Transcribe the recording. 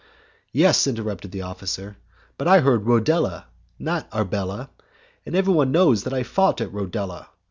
"Yes," interrupted the officer, "but I heard Rodela and not Arbela, and everybody knows that I fought at Rodela.